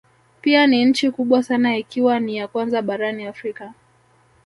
Pia ni nchi kubwa sana ikiwa ni ya kwanza barani Afrika